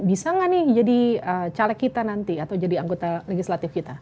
bisa nggak nih jadi caleg kita nanti atau jadi anggota legislatif kita